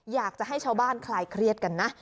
อยากจะให้ชาวบ้านคลายเครียดกันนะ